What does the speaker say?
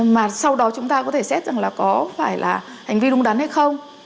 mà sau đó chúng ta có thể xét rằng là có phải là hành vi đúng đắn hay không